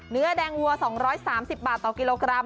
เนื้อแดงวัว๒๓๐บาทต่อกิโลกรัม